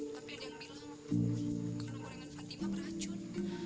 tapi ada yang bilang kalau gorengan fatima beracun